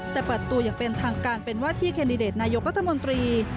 แต่เปิดตัวอย่างเป็นทางการเป็นว่าที่แคนดิเดตนายกรัฐมนตรี